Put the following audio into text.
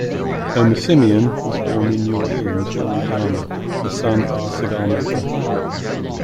Omer Simeon was born in New Orleans, Louisiana, the son of a cigar maker.